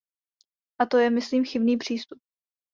A to je, myslím, chybný přístup.